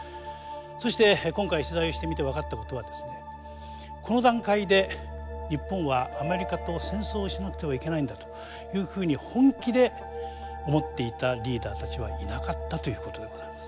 そして今回取材してみて分かったことはこの段階で日本はアメリカと戦争をしなくてはいけないんだというふうに本気で思っていたリーダーたちはいなかったということでございます。